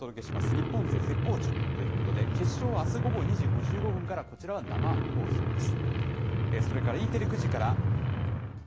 日本勢絶好調ということで、決勝はあす午後２時５５分から、こちらは生放送です。